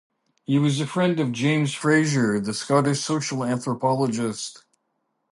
He was a friend of James Frazer, the Scottish social anthropologist.